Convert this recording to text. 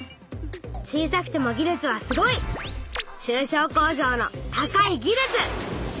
小さくても技術はすごい！「中小工場の高い技術」！